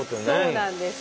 そうなんです。